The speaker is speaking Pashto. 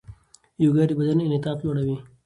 یوګا د بدن انعطاف لوړوي.